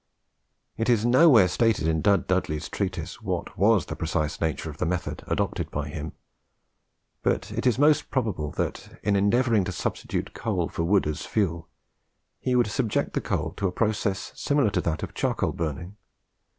It is nowhere stated in Dud Dudley's Treatise what was the precise nature of the method adopted by him; but it is most probable that, in endeavouring to substitute coal for wood as fuel, he would subject the coal to a process similar to that of charcoal burning.